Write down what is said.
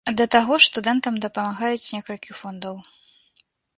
Да таго ж, студэнтам дапамагаюць некалькі фондаў.